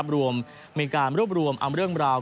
รวมมีการรวบรวมเอาเรื่องราว